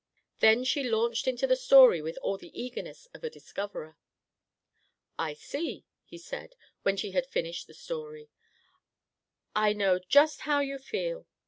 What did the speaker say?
Then she launched into the story with all the eagerness of a discoverer. "I see," he said, when she had finished the story. "I know just how you feel.